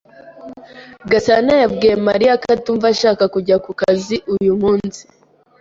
Gasana yabwiye Mariya ko atumva ashaka kujya ku kazi uyu munsi.